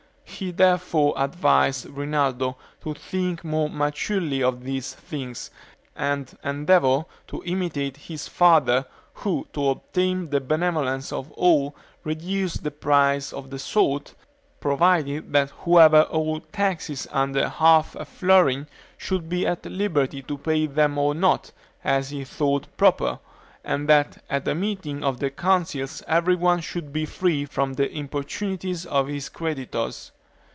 He therefore advised Rinaldo to think more maturely of these things, and endeavor to imitate his father, who, to obtain the benevolence of all, reduced the price of salt, provided that whoever owed taxes under half a florin should be at liberty to pay them or not, as he thought proper, and that at the meeting of the Councils every one should be free from the importunities of his creditors.